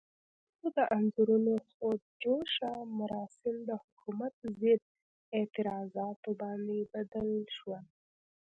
د ژو د انځورونو خود جوشه مراسم د حکومت ضد اعتراضاتو باندې بدل شول.